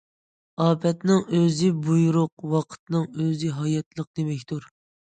ئاپەتنىڭ ئۆزى بۇيرۇق، ۋاقىتنىڭ ئۆزى ھاياتلىق دېمەكتۇر.